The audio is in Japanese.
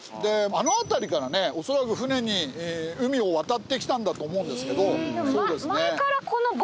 あの辺りからね恐らく舟に海を渡ってきたんだと思うんですけど。